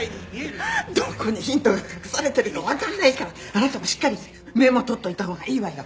どこにヒントが隠されてるかわかんないからあなたもしっかりメモ取っといたほうがいいわよ。